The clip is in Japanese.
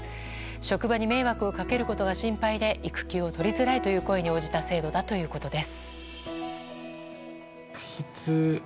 職場に迷惑をかけることが心配で育休を取りづらいという声に応じた制度だということです。